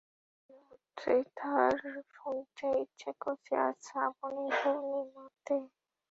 এই মুহূর্তে তাঁর শুনতে ইচ্ছা করছে-আজ শ্রাবণের পূর্ণিমাতে।